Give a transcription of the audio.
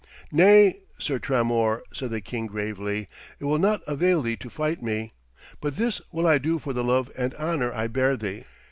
'Nay, Sir Tramor,' said the king gravely, 'it will not avail thee to fight me. But this will I do for the love and honour I bear thee.